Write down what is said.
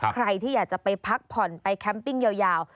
ใครที่อยากจะไปพักผ่อนไปแคมปิ้งยาว